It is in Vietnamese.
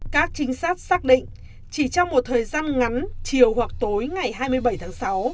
các trinh sát xác định chỉ trong một thời gian ngắn chiều hoặc tối ngày hai mươi bảy tháng sáu